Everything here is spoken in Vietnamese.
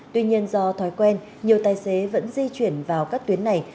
tuy nhiên do thói quen nhiều tài xế vẫn di chuyển vào các tuyến này